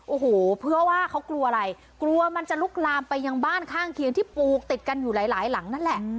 โอ้โหเพื่อว่าเขากลัวอะไรกลัวมันจะลุกลามไปยังบ้านข้างเคียงที่ปลูกติดกันอยู่หลายหลังนั่นแหละ